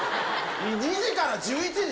２時から１１時？